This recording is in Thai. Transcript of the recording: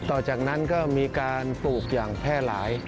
ต่อจากนั้นก็มีการปลูกอย่างแพร่หลาย